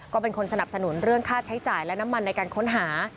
ก็เป็นคนสนับสนุนเรื่องค่าใช้จ่ายและน้ำมันในการค้นหา